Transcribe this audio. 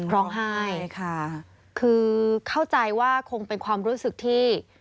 ร้องไห้ใช่ค่ะคือเข้าใจว่าคงเป็นความรู้สึกที่